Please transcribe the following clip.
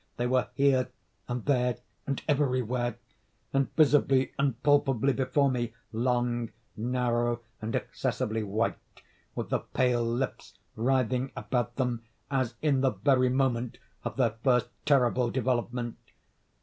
—they were here, and there, and everywhere, and visibly and palpably before me; long, narrow, and excessively white, with the pale lips writhing about them, as in the very moment of their first terrible development.